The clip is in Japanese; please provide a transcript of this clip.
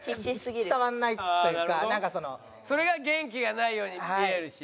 それが元気がないように見えるし。